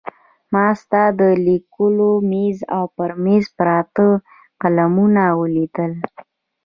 ما ستا د لیکلو مېز او پر مېز پراته قلمونه ولیدل.